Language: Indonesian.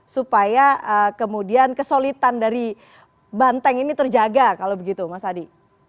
supaya kemudian kesolidan dari banteng ini terjaga kalau begitu pak saadi